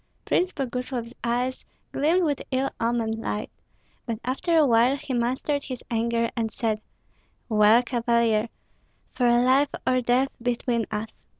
Prince Boguslav's eyes gleamed with ill omened light, but after a while he mastered his anger and said, "Well, Cavalier! For life or death between us!